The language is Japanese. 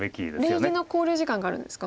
礼儀の考慮時間があるんですか？